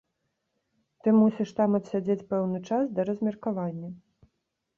Ты мусіш там адсядзець пэўны час, да размеркавання.